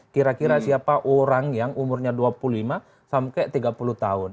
kira kira siapa orang yang umurnya dua puluh lima sampai tiga puluh tahun